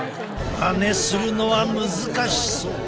まねするのは難しそう！